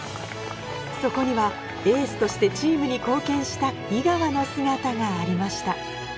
そこにはエースとしてチームに貢献した井川の姿がありました